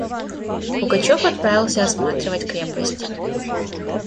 Пугачев отправился осматривать крепость.